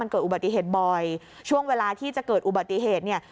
เกิดอุบัติเหตุบ่อยช่วงเวลาที่จะเกิดอุบัติเหตุเนี่ย